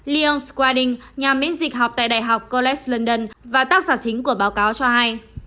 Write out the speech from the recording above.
leon skwading nhà miễn dịch học tại đại học college london và tác giả chính của báo cáo cho hay